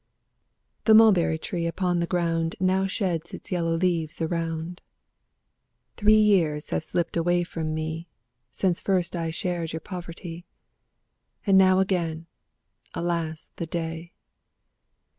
The mulberry tree upon the ground Now sheds its yellow leaves around. 5 Three years have slipped away from me, Since first I shared your poverty; And now again, alas the day!